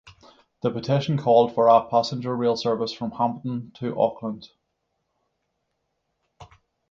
The petition called for a passenger rail service from Hamilton to Auckland.